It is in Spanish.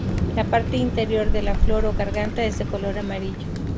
La parte interior de la flor o garganta es de color amarillo.